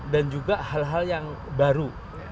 dan juga hal hal yang baru